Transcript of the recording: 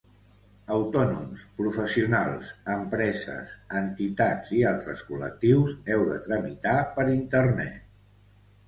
Autònoms, professionals, empreses, entitats i altres col·lectius heu de tramitar per internet.